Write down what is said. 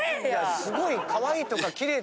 すごい。